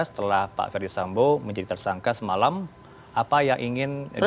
setelah pak ferdisambo menjadi tersangka semalam apa yang ingin ditambahkan kepada publik